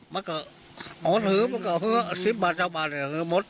มันก็เหลือเมื่อเท้าบาด